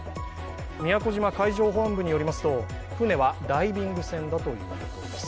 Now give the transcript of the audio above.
宮古島海上保安部によりますと船はダイビング船だということです。